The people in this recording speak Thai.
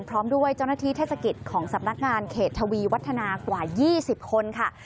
พร้อมด้วยเจ้าหน้าที่เทศกิจของสำนักงานเขตทวีวัฒนากว่า๒๐คนค่ะ